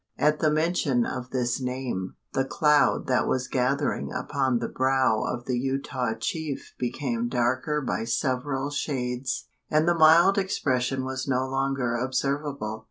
At the mention of this name, the cloud that was gathering upon the brow of the Utah chief became darker by several shades, and the mild expression was no longer observable.